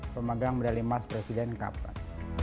yang memegang medali emas presiden kapten